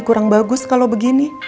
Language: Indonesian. kurang bagus kalau begini